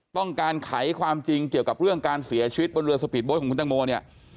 ไขความจริงเกี่ยวกับเรื่องการเสียชีวิตบนเรือสปีดโทของคุณตังโมเนี่ย